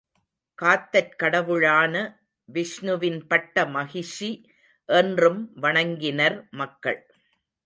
காத்தற் கடவுளான விஷ்ணுவின் பட்ட மகிஷி என்றும் வணங்கினர் மக்கள்.